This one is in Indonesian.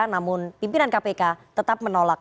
namun pimpinan kpk tetap menolak